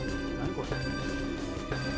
これ。